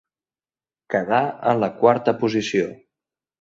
Quedà en la quarta posició.